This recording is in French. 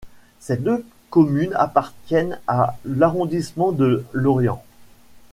Ces deux communes appartiennent à l'arrondissement de Lorient.